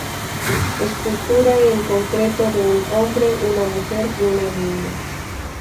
Escultura en concreto de un hombre, una mujer y una niña.